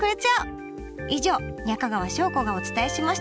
以上中川翔子がお伝えしました。